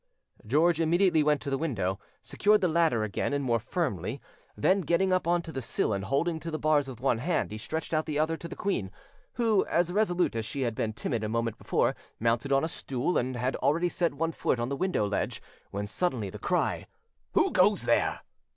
George immediately went to the window, secured the ladder again and more firmly, then getting up on to the sill and holding to the bars with one hand, he stretched out the other to the queen, who, as resolute as she had been timid a moment before, mounted on a stool, and had already set one foot on the window ledge, when suddenly the cry, "Who goes there?"